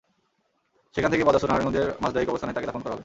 সেখান থেকে বাদ আসর নারায়ণগঞ্জের মাসদাইর কবরস্থানে তাঁকে দাফন করা হবে।